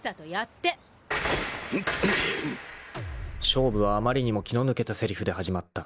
［勝負はあまりにも気の抜けたせりふで始まった］